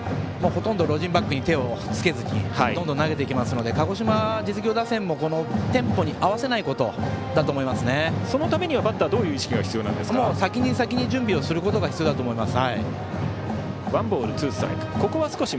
ほとんどロジンバッグに手をつけずにどんどん投げてきますので鹿児島実業打線もテンポに合わせないことだとそのためには先に準備をすることが必要だと思います。